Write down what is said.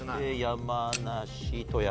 山梨富山。